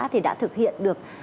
thì đã thực hiện được